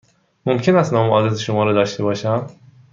ممکن است نام و آدرس شما را داشته باشم؟